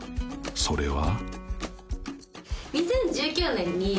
［それは］